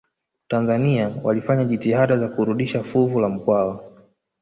tanzania walifanya jitihada za kurudisha fuvu la mkwawa